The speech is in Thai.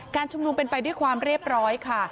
ชุมนุมเป็นไปด้วยความเรียบร้อยค่ะ